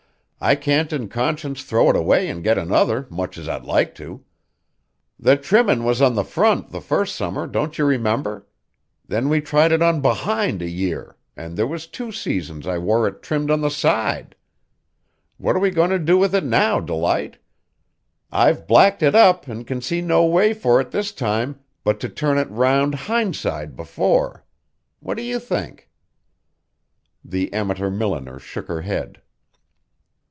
I can't in conscience throw it away an' get another, much as I'd like to. The trimmin' was on the front the first summer, don't you remember? Then we tried it on behind a year; an' there was two seasons I wore it trimmed on the side. What are we goin' to do with it now, Delight? I've blacked it up an' can see no way for it this time but to turn it round hindside before. What do you think?" The amateur milliner shook her head.